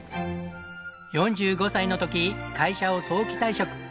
４５歳の時会社を早期退職。